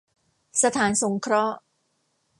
สถานสงเคราะห์